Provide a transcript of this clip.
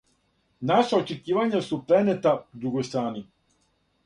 Наша очекивања су пренета другој страни.